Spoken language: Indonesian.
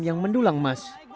yang mendulang emas